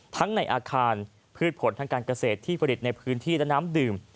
ในอาคารพืชผลทางการเกษตรที่ผลิตในพื้นที่และน้ำดื่ม